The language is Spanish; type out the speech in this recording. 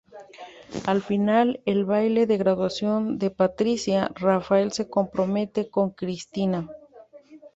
Al final, en el baile de graduación de Patricia, Rafael se compromete con Cristina.